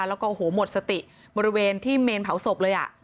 แล้วก็โอ้โหหมดสติบริเวณที่เมนเผาศพเลย